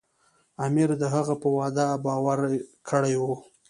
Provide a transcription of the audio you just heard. امیر د هغه په وعده باور کړی و.